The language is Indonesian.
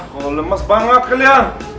kok lemes banget kalian